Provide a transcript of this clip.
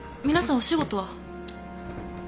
皆さんお仕事は？